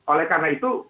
oleh karena itu